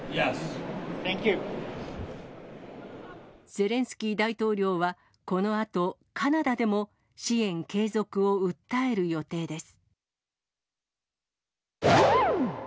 ゼレンスキー大統領は、このあとカナダでも支援継続を訴える予定です。